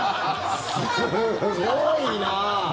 すごいな。